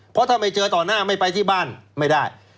เพราะถ้าไม่เจอต่อหน้าไม่ไปที่บ้านไม่ได้